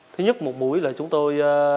thứ nhất một mũi là chúng tôi